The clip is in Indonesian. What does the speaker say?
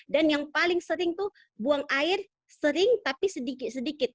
dan yang paling sering itu buang air sering tapi sedikit sedikit